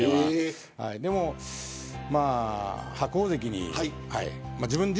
でも白鵬関に。